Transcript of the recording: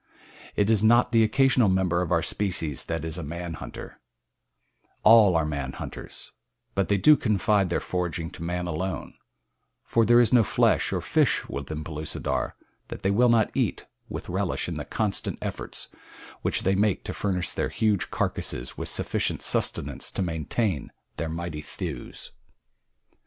It is not the occasional member of its species that is a man hunter all are man hunters; but they do not confine their foraging to man alone, for there is no flesh or fish within Pellucidar that they will not eat with relish in the constant efforts which they make to furnish their huge carcasses with sufficient sustenance to maintain their mighty thews.